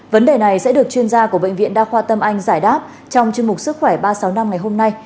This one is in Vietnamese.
vấn đề này sẽ được chuyên gia của bệnh viện đa khoa tâm anh giải đáp trong chương mục sức khỏe ba trăm sáu mươi năm ngày hôm nay